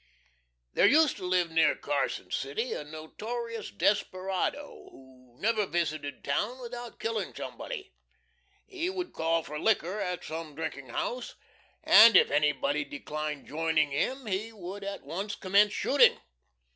There used to live near Carson City a notorious desperado, who never visited town without killing somebody. He would call for liquor at some drinking house, and if anybody declined joining him he would at once commence shooting.